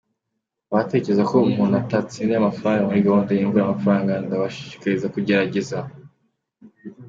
Abatekereza ko umuntu atatsindira amafaranga muri gahunda Imvura y’Amafaranga, ndabashishikariza kugerageza.